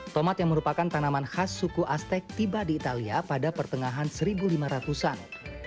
tomat yang merupakan tanaman khas suku aztek tiba di italia pada pertengahan seribu lima ratus an